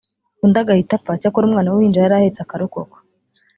undi agahita apfa cyakora umwana w’uruhinja yari ahetse akarokoka